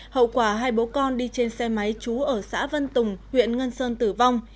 hậu quả hai bố con đi trên xe máy trú ở xã vân tùng huyện ngân sơn tử vong